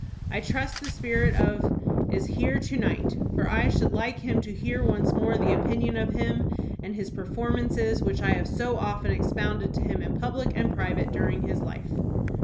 I trust the spirit of is here to night, for I should hke him to hear once more the opinion of him and his performances which I have so often expounded to him in public and private during his life."